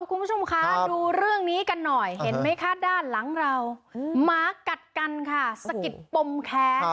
คุณผู้ชมคะดูเรื่องนี้กันหน่อยเห็นไหมคะด้านหลังเราหมากัดกันค่ะสะกิดปมแค้น